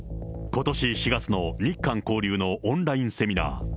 ことし４月の日韓交流のオンラインセミナー。